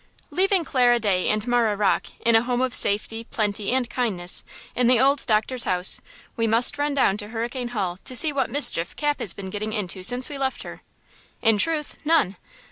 LEAVING Clara Day and Marah Rocke in a home of safety, plenty and kindness, in the old doctor's house, we must run down to Hurricane Hall to see what mischief Cap has been getting into since we left her! In truth, none!